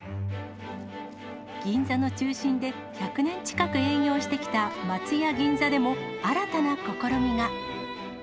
銀座の中心で１００年近く営業してきた松屋銀座でも、新たな試みが。